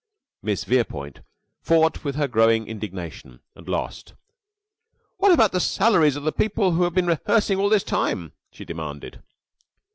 Miss Verepoint fought with her growing indignation, and lost. "What about the salaries of the people who have been rehearsing all this time?" she demanded.